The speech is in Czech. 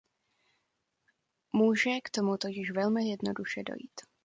Může k tomu totiž velmi jednoduše dojít.